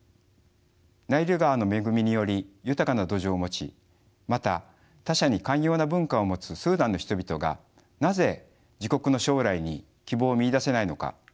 ナイル川の恵みにより豊かな土壌を持ちまた他者に寛容な文化を持つスーダンの人々がなぜ自国の将来に希望を見いだせないのか。